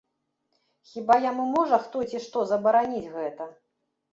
Хіба яму можа хто ці што забараніць гэта?